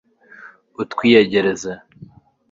utwiyegereze